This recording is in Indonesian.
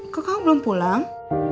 kau belum pulang